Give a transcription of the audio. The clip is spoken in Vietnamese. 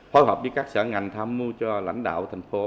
phối hợp với các sở ngành tham mưu cho lãnh đạo thành phố